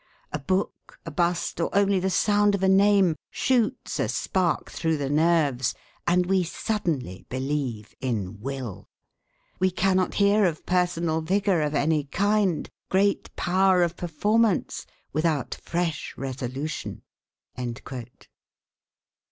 A book, a bust, or only the sound of a name shoots a spark through the nerves, and we suddenly believe in will. We cannot hear of personal vigor of any kind, great power of performance, without fresh resolution." CHAPTER III.